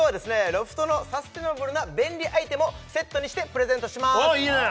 ロフトのサスティナブルな便利アイテムをセットにしてプレゼントしますああいいね！